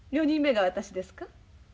４人目が私ですか？